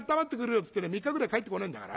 っつってね３日ぐらい帰ってこねえんだから。